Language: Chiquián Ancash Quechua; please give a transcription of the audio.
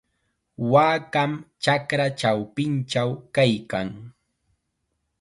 Waakam chakra chawpinchaw kaykan.